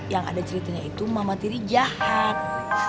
yang ada ceritanya itu mama tiri jahat